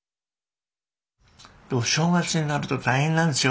正月になると大変なんですよ